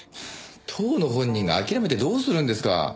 当の本人が諦めてどうするんですか！